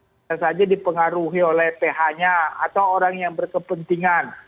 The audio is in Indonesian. bisa saja dipengaruhi oleh ph nya atau orang yang berkepentingan